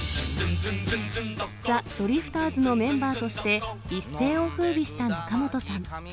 ザ・ドリフターズのメンバーとして、一世をふうびした仲本さん。